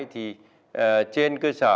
thì trên cơ sở